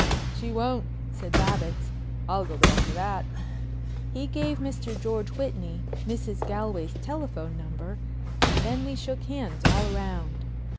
"She won't," said Babbitts. "I'll go bail for that." He gave Mr. George Whitney Mrs. Galway's telephone number and then we shook hands all round.